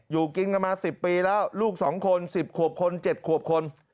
อยู่กินกันมา๑๐ปีแล้วลูก๒คน๑๐ขวบคน๗ขวบคน